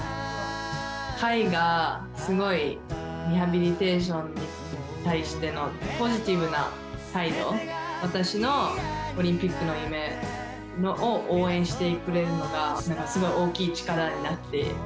魁がすごいリハビリテーションに対してのポジティブな態度、私のオリンピックの夢を応援してくれるのが、すごい大きい力になって。